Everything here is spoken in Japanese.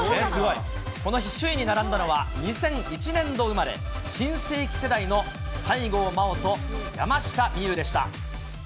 この日、首位に並んだのは、２００１年度生まれ、新世紀世代の西郷真央と山下みゆうでした。